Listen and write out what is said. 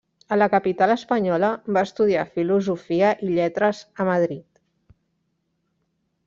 A la capital espanyola va estudiar Filosofia i Lletres a Madrid.